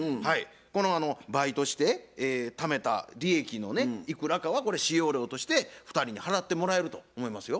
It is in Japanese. このバイトしてためた利益のいくらかはこれ使用料として２人に払ってもらえると思いますよ。